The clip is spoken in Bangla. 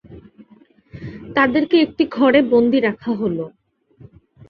তাদেরকে একটি ঘরে বন্দী রাখা হলো।